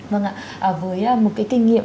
vâng ạ với một cái kinh nghiệm